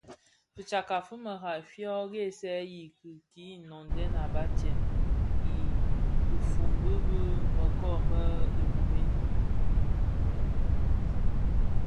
Fitsakka fi marai fyo ghësèyi ki noňdè a batsèm i dhifombu bi më kōō më Jrume.